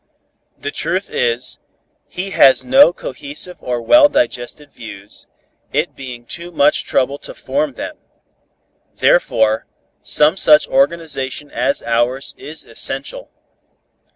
"The truth is, he has no cohesive or well digested views, it being too much trouble to form them. Therefore, some such organization as ours is essential.